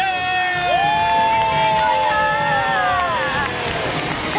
เย่